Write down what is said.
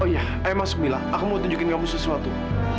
oh iya ayo masuk mila aku mau tunjukin kamu sesuatu